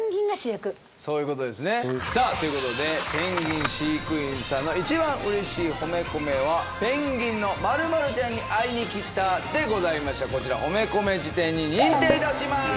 そういうことですねさあということでペンギン飼育員さんの一番嬉しい褒めコメはペンギンの○○ちゃんに会いに来たでございましたこちら褒めコメ辞典に認定いたします